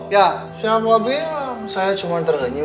ya siang abe saya cuma tergenyum